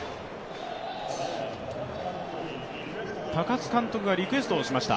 高津監督がリクエストをしました。